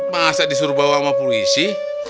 masa disuruh bawa sama polisi